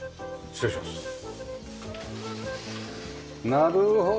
なるほど。